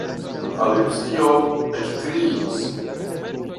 Alicio ekkriis.